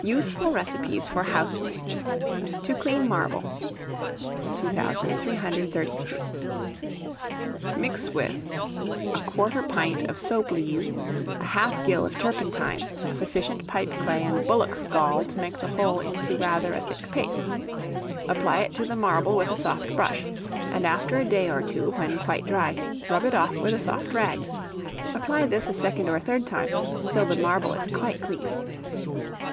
USEFUL RECIPES FOR HOUSEMAIDS. To clean Marble. 2333. Mix with 1/4 pint of soap lees, 1/2 gill of turpentine, sufficient pipe clay and bullock's gall to make the whole into rather a thick paste. Apply it to the marble with a soft brush, and after a day or two, when quite dry, rub it off with a soft rag. Apply this a second or third time till the marble is quite clean.